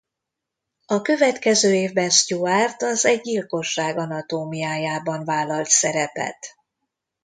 A következő évben Stewart az Egy gyilkosság anatómiájában vállalt szerepet.